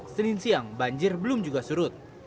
senin siang banjir belum juga surut